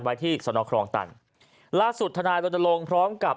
ไว้ที่สนครองตันล่าสุดธนายรณรงค์พร้อมกับ